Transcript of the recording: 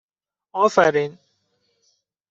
آفرین